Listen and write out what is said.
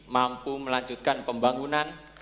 mampu melanjutkan pembangunan